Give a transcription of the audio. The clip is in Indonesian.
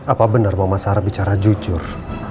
apa benar mama sarah bicara jujur